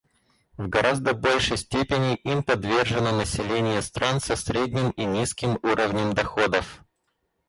В гораздо большей степени им подвержено население стран со средним и низким уровнем доходов.